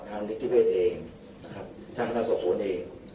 ทางนิติเวทเองนะครับทางพนักศักดิ์สวนเอง